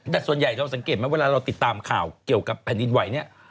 แต่ส่วนใหญ่เราสังเกตไหมเวลาเราติดตามข่าวเกี่ยวกับแผ่นดินไหวเนี่ย